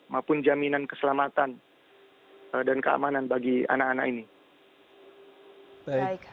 maupun jaminan keselamatan dan keamanan bagi anak anak ini